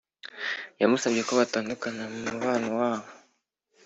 yamusabye ko batandukana mumubano wabo